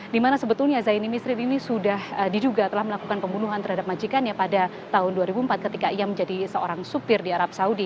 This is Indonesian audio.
dimana sebetulnya zaini misrin ini sudah diduga telah melakukan pembunuhan terhadap majikannya pada tahun dua ribu empat ketika ia menjadi seorang supir di arab saudi